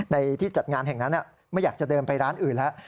ที่จัดงานแห่งนั้นไม่อยากจะเดินไปร้านอื่นแล้ว